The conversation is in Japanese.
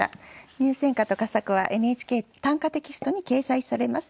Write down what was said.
入選歌と佳作は「ＮＨＫ短歌テキスト」に掲載されます。